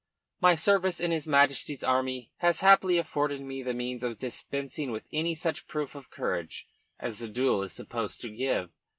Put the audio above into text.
My service in his Majesty's army has happily afforded me the means of dispensing with any such proof of courage as the duel is supposed to give.